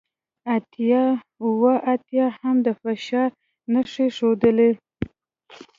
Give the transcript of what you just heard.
اتیا اوه اتیا هم د فشار نښې ښودلې